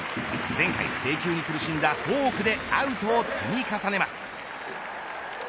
前回、制球に苦しんだフォークでアウトを積み重ねます。